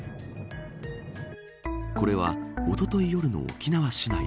これは、おととい夜の沖縄市内。